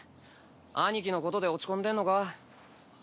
兄貴のことで落ち込んでんのか？